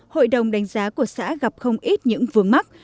hội đồng đánh giá của xã gặp không ít những vướng mắt